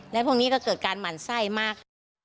และพวกนี้ก็เกิดการหมั่นไส้มาก